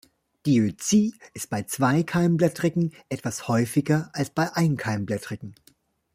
Diözie ist bei Zweikeimblättrigen etwas häufiger als bei Einkeimblättrigen.